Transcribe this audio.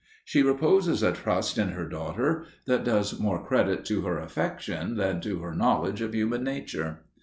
She reposes a trust in her daughter that does more credit to her affection than to her knowledge of human nature.